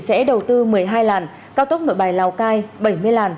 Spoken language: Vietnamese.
sẽ đầu tư một mươi hai làn cao tốc nội bài lào cai bảy mươi làn